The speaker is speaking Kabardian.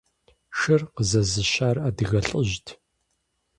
Шыр къызэзыщар адыгэ лӀыжьт.